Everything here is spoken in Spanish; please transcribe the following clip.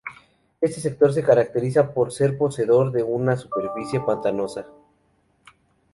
Este sector se caracteriza por ser poseedor de una superficie pantanosa.